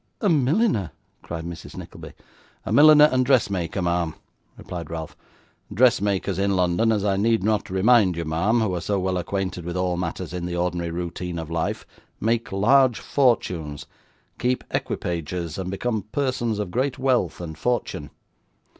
'A milliner!' cried Mrs. Nickleby. 'A milliner and dressmaker, ma'am,' replied Ralph. 'Dressmakers in London, as I need not remind you, ma'am, who are so well acquainted with all matters in the ordinary routine of life, make large fortunes, keep equipages, and become persons of great wealth and fortune.